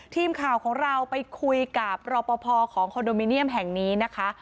ทีมข่าวของเราไปคุยกับรอปภของคอนโดมิเนียมแห่งนี้นะคะ